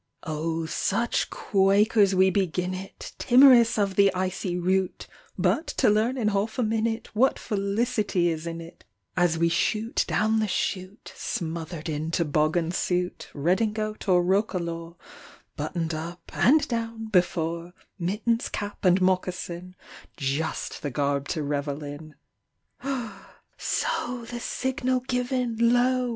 Oh, such quakers we begin it, Timorous of the icy route! But to learn in half a minute What felicity is in it, As we shoot down the chute, Smothered in toboggan suit, Redingote or roquelaure, Buttoned up (and down) before, Mittens, cap, and moccasin, Just the garb to revel in; So, the signal given, lo!